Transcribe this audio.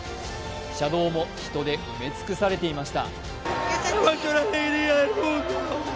車道も人で埋め尽くされていました。